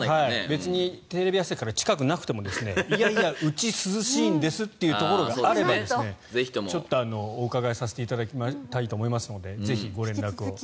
別にテレビ朝日から近くなくてもいやいや、うち涼しいんですっていうところがあればぜひお伺いさせていただきたいと思いますのでぜひ、ご連絡を。